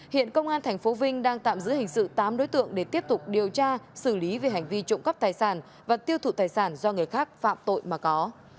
hiện công an tp vinh đang tạm giữ hình sự tám đối tượng để tiếp tục điều tra xử lý về hành vi trộm cắp tài sản và tiêu thụ tài sản do người khác phạm tội mà có